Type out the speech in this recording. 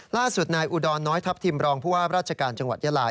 ล่าสุดนายอุดรน้อยทัพทิมรองผู้ว่าราชการจังหวัดยาลา